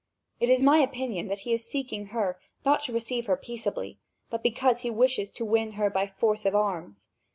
It is my opinion that he is seeking her, not to receive her peaceably, but because he wishes to win her by force of arms.